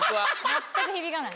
全く響かない。